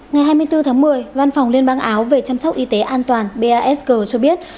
ngày hai mươi bốn tháng một mươi văn phòng liên bang áo về chăm sóc y tế an toàn basg cho biết